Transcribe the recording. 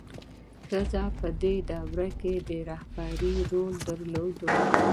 ښځه په دې دوره کې د رهبرۍ رول درلود.